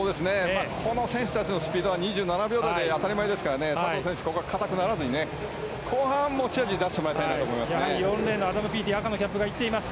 この選手たちのスピードは２７秒台で当たり前ですから佐藤選手、硬くならずに後半に持ち味を出してもらえたらと思います。